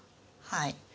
はい。